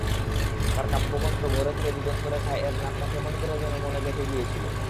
তাঁর কাব্যগ্রন্থ ঘরে দূরে দিগন্তরেখায়-এর নামটা কেমন করে যেন মনে গেঁথে গিয়েছিল।